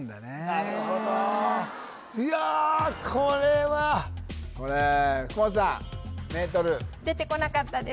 なるほどいやこれはこれ福元さんメートル出てこなかったです